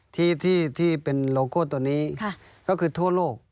ที่เป็นโลโก้ตัวนี้ก็คือทั่วโลก